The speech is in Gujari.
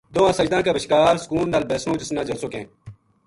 دواں سجداں کے بشکار سکون نال بیسنو، جس نا جلسو کہیں۔